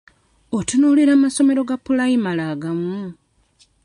Otunuulira amasomero ga pulayimale agamu?